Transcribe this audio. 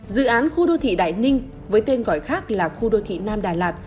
dự án khu đô thị đại ninh với tên gọi khác là khu đô thị nam đà lạt